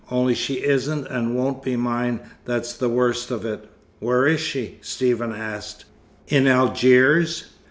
Only she isn't and won't be mine that's the worst of it." "Where is she?" Stephen asked. "In Algiers?"